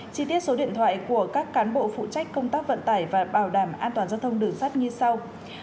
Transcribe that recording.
chi tiết số điện thoại của các cán bộ phụ trách công tác vận tải và bảo đảm an toàn giao thông đường sắt như sau